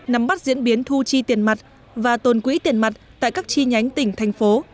nắm bắt diễn biến thu chi tiền mặt và tồn quỹ tiền mặt tại các chi nhánh tỉnh thành phố